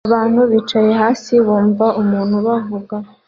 Abantu bicaye hasi bumva umuntu bavuga